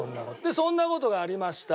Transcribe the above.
そんな事がありました。